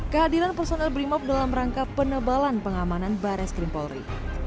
kehadiran personel brimob dalam rangka penebalan pengamanan barai skripalri